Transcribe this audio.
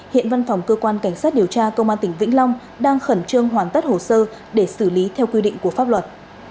hiện văn phòng cơ quan cảnh sát điều tra công an tỉnh vĩnh long đang khẩn trương hoàn tất hồ sơ để xử lý theo quy định của pháp luật